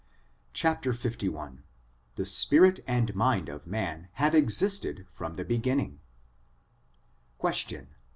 LI THE SPIRIT AND MIND OF MAN HAVE EXISTED FROM THE BEGINNING Question.